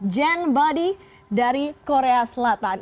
jen body dari korea selatan